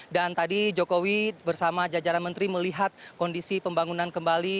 dan tadi jokowi bersama jajaran menteri melihat kondisi pembangunan kembali